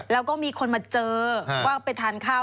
แล้วก็มีคนมาเจอว่าไปทานข้าว